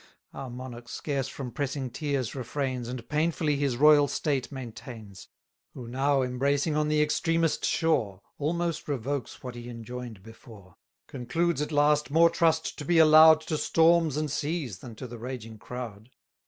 Our monarch scarce from pressing tears refrains, 600 And painfully his royal state maintains, Who now, embracing on the extremest shore, Almost revokes what he enjoin'd before: Concludes at last more trust to be allow'd To storms and seas than to the raging crowd!